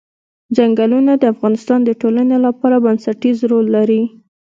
ځنګلونه د افغانستان د ټولنې لپاره بنسټيز رول لري.